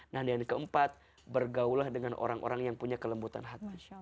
nah yang keempat bergaullah dengan orang orang yang punya kelembutan hati